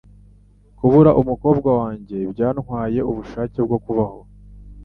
Kubura umukobwa wanjye byantwaye ubushake bwo kubaho.